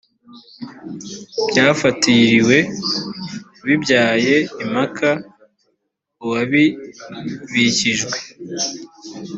byafatiriwe bibyaye impaka uwabibikijwe